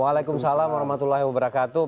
waalaikumsalam warahmatullahi wabarakatuh